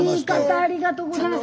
ありがとうございます。